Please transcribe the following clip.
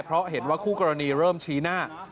เพราะเห็นว่าคู่กรณีเริ่มชี้หน้า